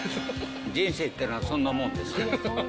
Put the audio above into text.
人生ってのはそんなもんです。